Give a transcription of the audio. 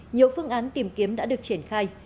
nhiều phương án tìm kiếm đã được triển khai